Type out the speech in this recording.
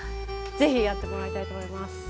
是非やってもらいたいと思います。